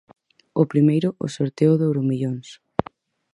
O primeiro, o sorteo do Euromillóns.